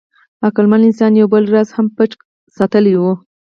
عقلمن انسان یو بل راز هم پټ ساتلی و.